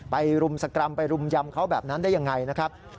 รุมสกรรมไปรุมยำเขาแบบนั้นได้ยังไงนะครับ